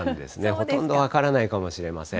ほとんど分からないかもしれません。